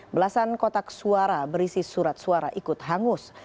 belasan kotak suara berisi surat suara ikut hangus